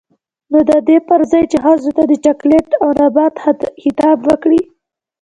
نـو د دې پـر ځـاى چـې ښـځـو تـه د چـاکـليـت او نـبـات خـطاب وکـړي.